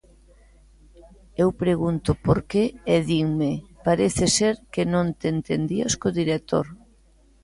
Eu pregunto por que e dinme: Parece ser que non te entendías co director.